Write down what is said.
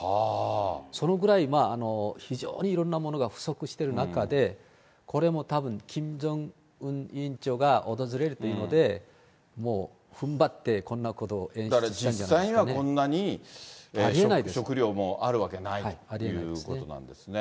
そのぐらい非常にいろんなものが不足してる中で、これもたぶん、キム・ジョンウン委員長が訪れるというのは、もう、ふんばって、こんなことを演出だから実際にはこんなに食料もあるわけないっていうことですね。